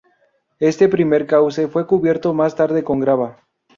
Este primer cauce fue cubierto más tarde con grava.